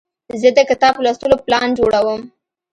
زه د کتاب لوستلو پلان جوړوم.